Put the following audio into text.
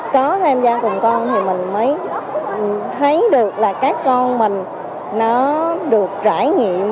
có tham gia cùng con thì mình mới thấy được là các con mình nó được trải nghiệm